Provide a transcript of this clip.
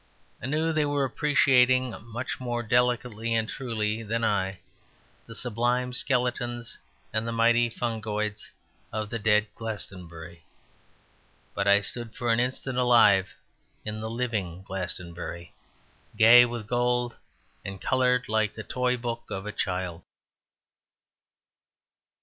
I knew they were appreciating much more delicately and truly than I the sublime skeleton and the mighty fungoids of the dead Glastonbury. But I stood for an instant alive in the living Glastonbury, gay with gold and coloured like the toy book of a child.